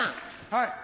はい。